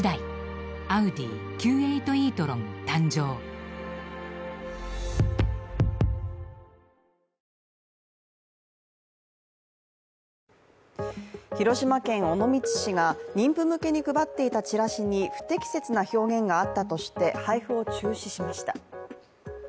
ニトリ広島県尾道市が妊婦向けに配っていたチラシに不適切な表現があったとして配布を中止しました。